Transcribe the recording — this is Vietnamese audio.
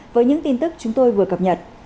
với những tin tức chúng tôi vừa cập nhật